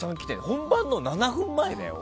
本番の７分前だよ？